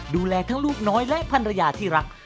ดูแลทั้งลูกน้อยและภรรยาที่รัก